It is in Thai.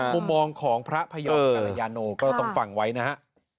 มุมมองของพระพยอมกัลยานูก็ตรงฝั่งไว้นะฮะ